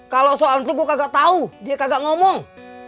kalau soal itu gue kagak tahu dia kagak ngomong